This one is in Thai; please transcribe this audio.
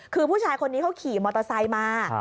คือผู้ชายคนนี้เขาขี่มอเตอร์ไซค์มา